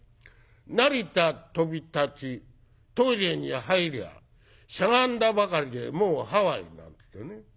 「成田飛び立ちトイレに入りゃしゃがんだばかりでもうハワイ」なんていってね。